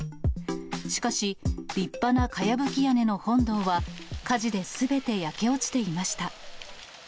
しかし、立派なかやぶき屋根の本堂は、火事ですべて焼け落ちていました。